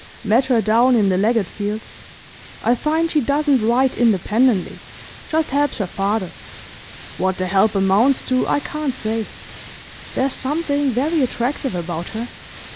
'Met her down in the Leggatt fields. I find she doesn't write independently; just helps her father. What the help amounts to I can't say. There's something very attractive about her.